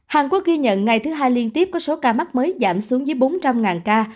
hàn quốc ghi nhận ngày thứ hai liên tiếp có số ca mắc mới giảm xuống dưới bốn trăm linh ca